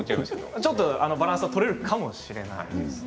ちょっとバランスは取れるかもしれないですね。